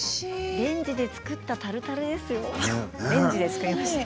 レンジで作ったタルタルですよ。